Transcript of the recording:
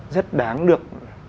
rất đáng được